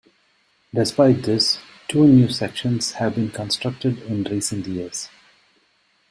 Despite this, two new sections have been constructed in recent years.